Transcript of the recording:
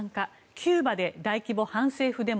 キューバで大規模反政府デモ。